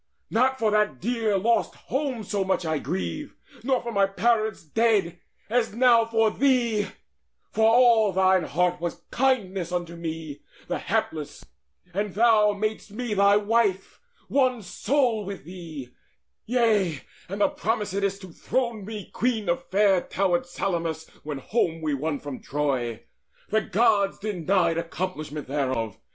Not for that dear lost home so much I grieve, Nor for my parents dead, as now for thee: For all thine heart was kindness unto me The hapless, and thou madest me thy wife, One soul with thee; yea, and thou promisedst To throne me queen of fair towered Salamis, When home we won from Troy. The Gods denied Accomplishment thereof.